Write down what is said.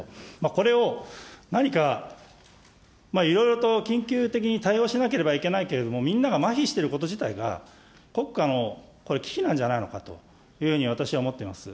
これを何かいろいろと緊急的に対応しなければいけないけれども、みんなが、まひしていること自体が、国家のこれ、危機なんじゃないのかというふうに私は思ってます。